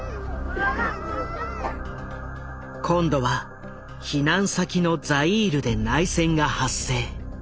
今度は避難先のザイールで内戦が発生。